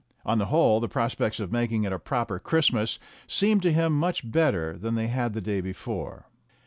On the whole, the prospects of making it a proper Christmas seemed to him much better than they had done the day before.